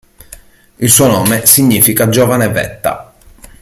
Il suo nome significa Giovane Vetta.